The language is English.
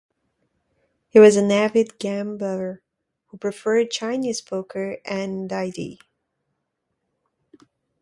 He was an avid gambler who preferred Chinese poker and "dai di".